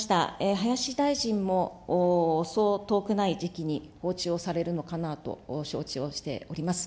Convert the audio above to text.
林大臣もそう遠くない時期に訪中をされるのかなと承知をしております。